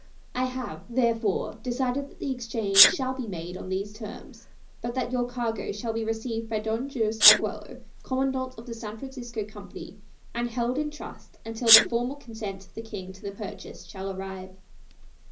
I have, therefore, decided that the exchange shall be made on these terms, but that your cargo shall be received by Don Jose Arguello, Commandante of the San Francisco Company, and held in trust until the formal consent of the King to the purchase shall arrive."